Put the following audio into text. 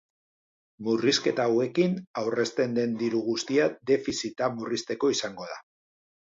Murrizketa hauekin aurrezten den diru guztia defizita murrizteko izango da.